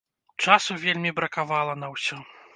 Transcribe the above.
Часу вельмі бракавала на ўсё.